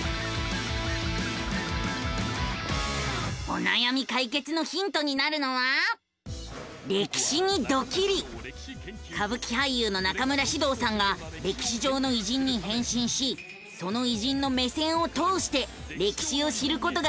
おなやみ解決のヒントになるのは歌舞伎俳優の中村獅童さんが歴史上の偉人に変身しその偉人の目線を通して歴史を知ることができる番組なのさ！